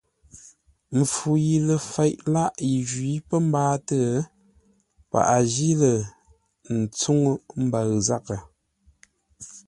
Mpfu yi ləfeʼ lâʼ yi njwǐ pə̌ mbáatə́, paghʼə jí lə́ ntsuʼə́ mbəʉ zághʼə.